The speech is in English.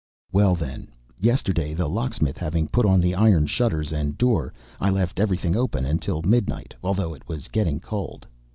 Well, then, yesterday the locksmith having put on the iron shutters and door, I left everything open until midnight, although it was getting cold.